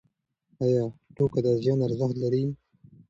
ایا ټوکه د زیان ارزښت لري؟